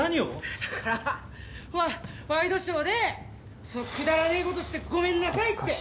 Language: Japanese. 「だからワワイドショーでくだらねえことしてごめんなさいって」